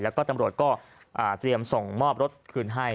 แล้วก็ตำรวจก็เตรียมส่งมอบรถคืนให้